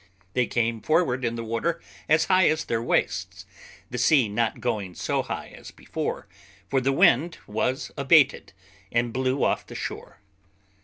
They came forward into the water as high as their waists, the sea not going so high as before, for the wind was abated, and blew off the shore.